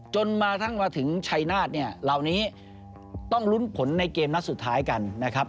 จนมาถึงชัยนาศน์เรานี้ต้องลุ้นผลในเกมนักสุดท้ายกันนะครับ